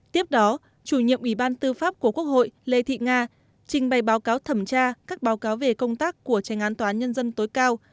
tiếp đó chủ nhiệm ủy ban tư pháp của quốc hội lê thị nga trình bày báo cáo thẩm tra các báo cáo về công tác của tranh án tòa án nhân dân tối cao